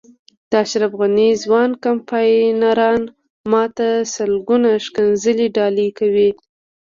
د اشرف غني ځوان کمپاینران ما ته سلګونه ښکنځلې ډالۍ کوي.